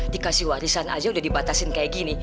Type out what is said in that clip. dikasih warisan aja udah dibatasin kayak gini